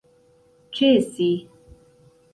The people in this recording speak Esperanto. ĉesi